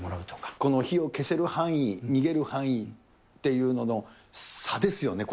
この火を消せる範囲、逃げる範囲っていうのの差ですよね、これ。